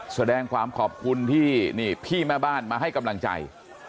แสดงความขอบคุณที่พี่แม่บ้านมาให้กำลังใจ